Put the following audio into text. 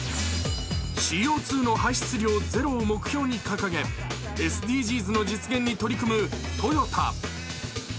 ＣＯ２の排出量ゼロを目標に掲げ、ＳＤＧｓの実現に取り組むトヨタ。